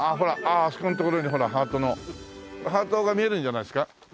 あそこのところにほらハートのハートが見えるんじゃないですか？